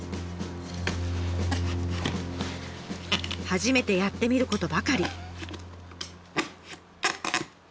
初めてやってみることばかり。